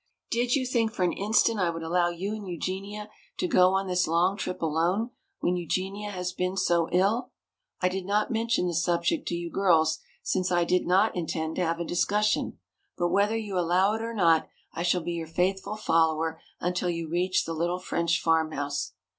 Did you think for an instant I would allow you and Eugenia to go on this long trip alone, when Eugenia has been so ill? I did not mention the subject to you girls, since I did not intend to have a discussion. But whether you allow it or not I shall be your faithful follower until you reach the little French farmhouse."